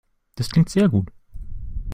Das klingt sehr gut.